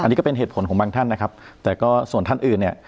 อันนี้ก็เป็นเหตุผลของบางท่านนะครับแต่ก็ส่วนท่านอื่นเนี่ย